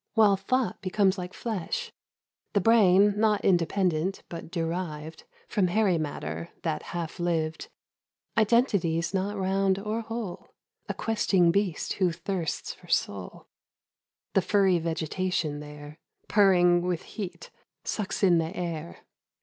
While thought becomes like flesh, the brain Not independent but derived From hairy matter that half lived — Identities not round or whole. A questing beast who thirsts for soul, The furry vegetation there — Purring with heat, sucks in the air.